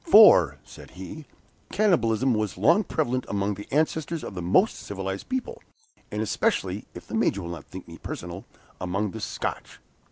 "For," said he, "cannibalism was long prevalent among the ancestors of the most civilized people, and especially (if the Major will not think me personal) among the Scotch."